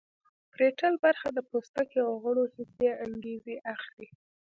پریټل برخه د پوستکي او غړو حسي انګیزې اخلي